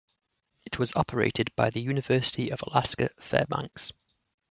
It was operated by the University of Alaska Fairbanks.